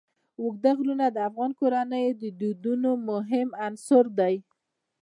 اوږده غرونه د افغان کورنیو د دودونو مهم عنصر دی.